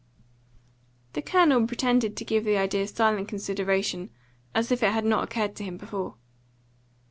The Colonel pretended to give the idea silent consideration, as if it had not occurred to him before.